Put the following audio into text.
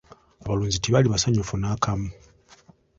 Abalunzi tebaali basanyufu n'akamu.